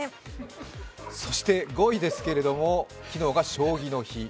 そして５位ですけれども昨日が将棋の日。